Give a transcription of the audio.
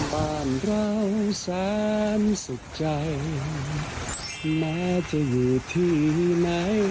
บ้านเราสามสุขใจแม้จะอยู่ที่ไหน